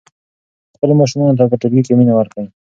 خپلو ماشومانو ته په ټولګي کې مینه ورکړئ.